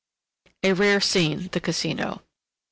A rare scene, the Casino.